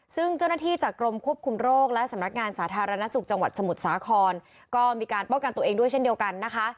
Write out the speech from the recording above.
ซึ่งเจ้าหน้าที่จากกรมควบคุมโรคและสำนักงานสาธารณสุขจังหวัดสมุทรสาครก็มีการป้องกันตัวเองด้วยเช่นเดียวกันนะคะ